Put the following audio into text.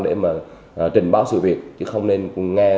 để trình báo sự việc